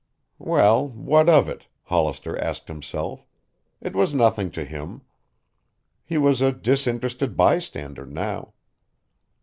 Well, what of it, Hollister asked himself? It was nothing to him. He was a disinterested bystander now.